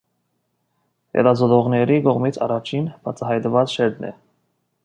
Հետազոտողների կողմից առաջին բացահայտված շերտն է։